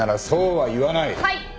はい。